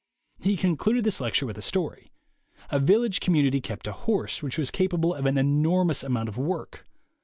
He concluded this lecture with a story. A village community kept a horse which was capable of an enormous amount of work.